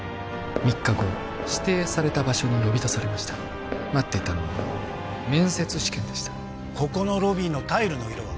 ３日後指定された場所に呼び出されました待っていたのは面接試験でしたここのロビーのタイルの色は？